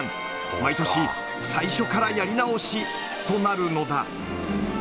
毎年、最初からやり直しとなるのだ。